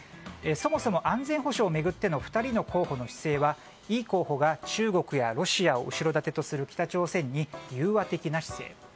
そもそも安全保障を巡っての２人の候補の姿勢はイ候補が中国やロシアを後ろ盾とする北朝鮮に融和的な姿勢。